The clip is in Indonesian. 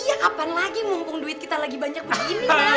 iya kapan lagi mumpung duit kita lagi banyak begini